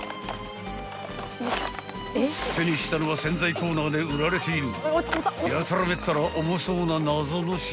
［手にしたのは洗剤コーナーで売られているやたらめったら重そうな］